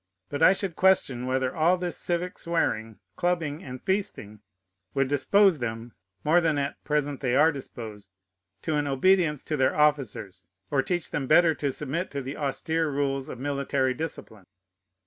But I should question whether all this civic swearing, clubbing, and feasting would dispose them, more than at present they are disposed, to an obedience to their officers, or teach them better to submit to the austere rules of military discipline.